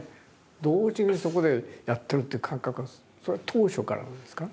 同時にそこでやってるって感覚はそれは当初からなんですか？